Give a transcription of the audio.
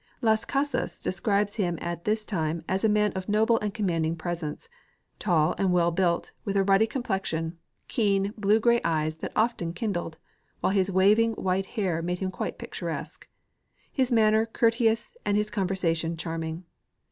Las Casas describes him at this time as a man of noble and commanding presence, tall and well built, with a ruddy complexion, keen, blue gray eyes that often kindled, while his waving white hair made him quite picturesque ; his manner courteous and his conversation charming.